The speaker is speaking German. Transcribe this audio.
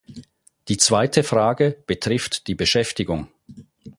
Die zweite Frage betrifft die Beschäftigung.